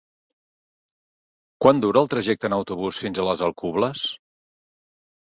Quant dura el trajecte en autobús fins a les Alcubles?